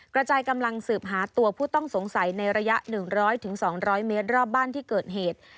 กระจายกำลังสืบหาตัวผู้ต้องสงสัยในระยะ๑๐๐๒๐๐เมตรรอบบ้านที่เกิดเหตุ